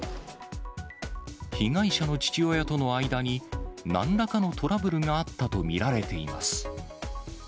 被害者の父親との間になんらかのトラブルがあったと見られています。